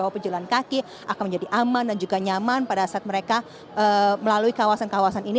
bahwa pejalan kaki akan menjadi aman dan juga nyaman pada saat mereka melalui kawasan kawasan ini